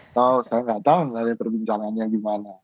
atau saya nggak tahu nanti perbincangannya gimana